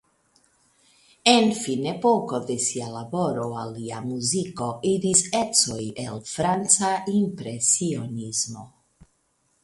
En finepoko de sia laboro al lia muziko iris ecoj el franca impresionismo.